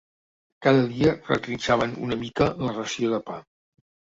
Cada dia retrinxaven una mica la ració de pa.